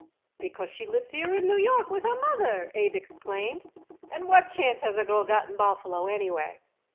"Because she lives here in New York with her mother," Abe explained; "and what chance has a girl got in Buffalo, anyway?